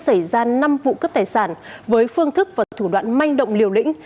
xảy ra năm vụ cướp tài sản với phương thức và thủ đoạn manh động liều lĩnh